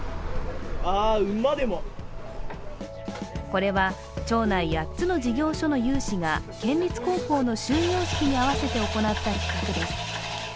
これは、町内８つの事業所の有志が県立高校の終業式に合わせて行った企画です。